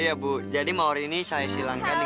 iya bu jadi mawar ini saya silangkan ya